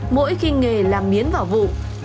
mỗi khi nghề làm miến vào vụ